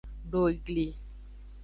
Do egli.